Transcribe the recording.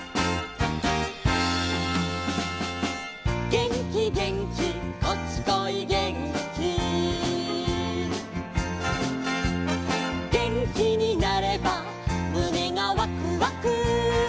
「げんきげんきこっちこいげんき」「げんきになればむねがワクワク」